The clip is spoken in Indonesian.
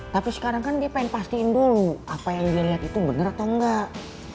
tapi sekarang kan dia pengen pastiin dulu apa yang dia lihat itu benar atau enggak